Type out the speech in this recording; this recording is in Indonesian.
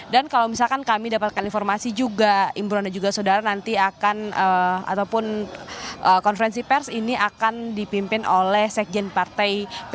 dan kalau misalkan kami dapatkan informasi juga imron dan juga saudara nanti akan ataupun konferensi pers ini akan dipimpin oleh sekjen partai pdi